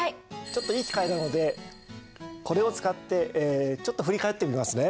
ちょっといい機会なのでこれを使ってちょっと振り返ってみますね。